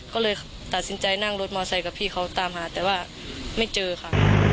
ก็เลยตัดสินใจนั่งรถมอไซค์กับพี่เขาตามหาแต่ว่าไม่เจอค่ะ